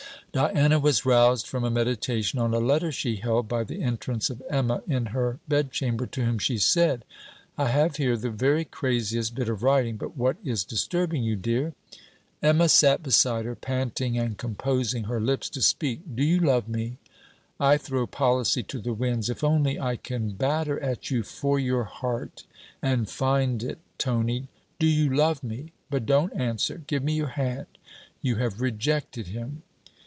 Diana was roused from a meditation on a letter she held, by the entrance of Emma in her bed chamber, to whom she said: 'I have here the very craziest bit of writing! but what is disturbing you, dear?' Emma sat beside her, panting and composing her lips to speak. 'Do you, love me? I throw policy to the winds, if only, I can batter at you for your heart and find it! Tony, do you love me? But don't answer: give me your hand. You have rejected him!'